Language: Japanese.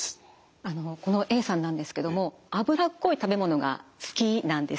あのこのＡさんなんですけども脂っこい食べ物が好きなんですね。